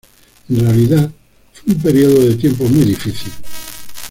En realidad fue un período de tiempo muy difícil.